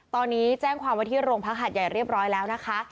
ตอนนี้แจ้งความว่าที่โรงพักหัดใหญ่เรียบร้อยแล้วนะคะ